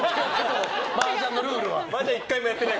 マージャンのルールは。